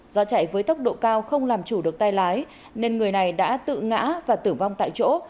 do chạy với tốc độ cao không làm chủ được tay lái nên người này đã tự ngã và tử vong tại chỗ